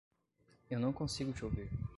Eu não consigo te ouvir.